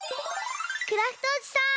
クラフトおじさん！